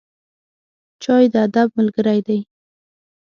چای د ادب ملګری دی.